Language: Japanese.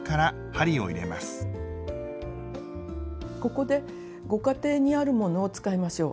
ここでご家庭にあるものを使いましょう。